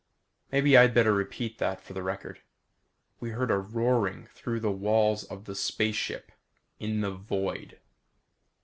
Maybe I'd better repeat that for the record. _We heard a roaring through the walls of the space ship. In the void.